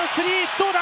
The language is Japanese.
どうだ？